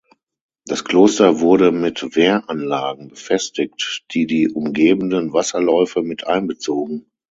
Das Kloster wurde mit Wehranlagen befestigt, die die umgebenden Wasserläufe mit einbezogen.